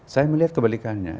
saya melihat kebalikannya